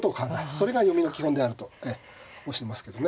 それが読みの基本であると教えますけどね。